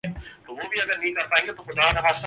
میں نے سکول اور اس کی تاریخ سے محبت کی